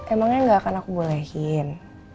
emangnya gak akan aku bolehin